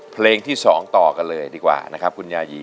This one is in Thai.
เพลงที่๒ต่อกันเลยดีกว่านะครับคุณยายี